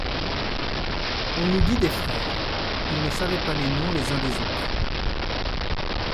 On eût dit des frères ; ils ne savaient pas les noms les uns des autres.